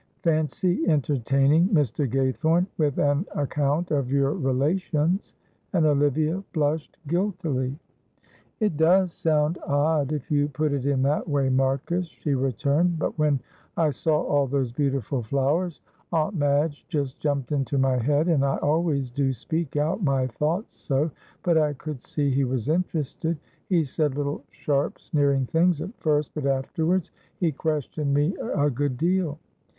"Fancy entertaining Mr. Gaythorne with an account of your relations!" and Olivia blushed guiltily. "It does sound odd if you put it in that way, Marcus," she returned; "but when I saw all those beautiful flowers, Aunt Madge just jumped into my head, and I always do speak out my thoughts so. But I could see he was interested. He said little sharp sneering things at first, but afterwards he questioned me a good deal.